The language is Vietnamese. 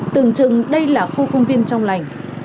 từng trừng đây là khu công viên trong lành